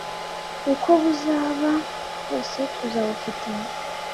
uko buzaba kose tuzabufatanya